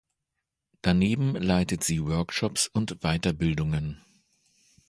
Daneben leitet sie Workshops und Weiterbildungen.